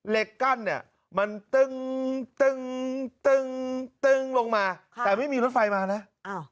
เหล็กกั้นเนี่ยมันตึงตึงตึงตึงลงมาค่ะแต่ไม่มีรถไฟมานะอ้าว